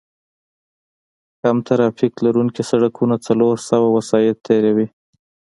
کم ترافیک لرونکي سړکونه څلور سوه وسایط تېروي